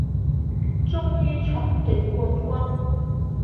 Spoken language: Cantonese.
終於重奪冠軍